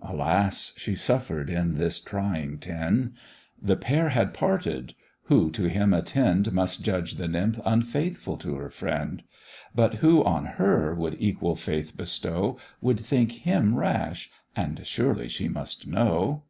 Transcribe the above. Alas! she suffer d' in this trying ten; The pair had parted: who to him attend, Must judge the nymph unfaithful to her friend; But who on her would equal faith bestow, Would think him rash, and surely she must know.